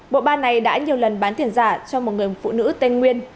bộ ban này đã nhiều lần bán tiền giả cho một người phụ nữ tên nguyên